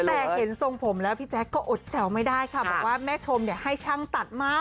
แต่เห็นทรงผมแล้วพี่แจ๊คก็อดแซวไม่ได้ค่ะบอกว่าแม่ชมให้ช่างตัดมา